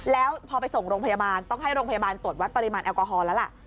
แล้วพอไปส่งโรงพยาบาลต้องให้โรงพยาบาลตรวจวัดปริมาณแอลกอฮอลแล้วล่ะ